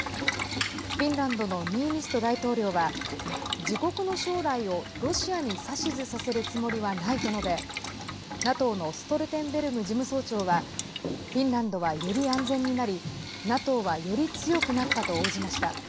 フィンランドのニーニスト大統領は自国の将来をロシアに指図させるつもりはないと述べＮＡＴＯのストルテンベルグ事務総長はフィンランドはより安全になりＮＡＴＯは、より強くなったと応じました。